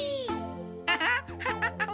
ハハッハハハハ！